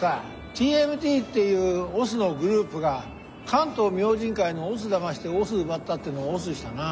「ＴＭＴ」っていう押忍のグループが「関東明神会」の押忍だまして押忍奪ったってのは押忍したなぁ。